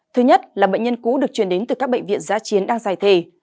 thứ nhất là bệnh nhân cũ được truyền đến từ các bệnh viện giá chiến đang giải thề